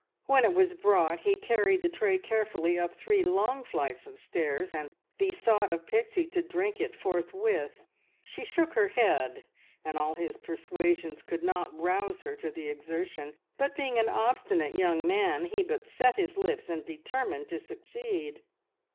When it was brought he carried the tray carefully up three long flights of stairs, and besought of Pixie to drink it forthwith. She shook her head, and all his persuasions could not rouse her to the exertion; but being an obstinate young man, he but set his lips and determined to succeed.